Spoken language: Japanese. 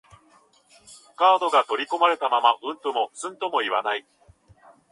カードが取り込まれたまま、うんともすんとも言わない